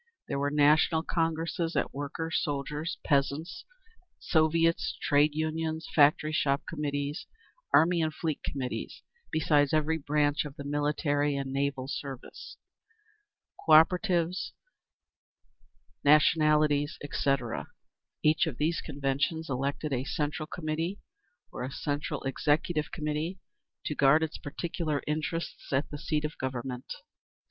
There were national congresses of Workers', Soldiers' and Peasants' Soviets, Trade Unions, Factory Shop Committees, Army and Fleet Committees—besides every branch of the military and naval service, Cooperatives, Nationalities, etc. Each of these conventions elected a Central Committee, or a Central Executive Committee, to guard its particular interests at the seat of Government.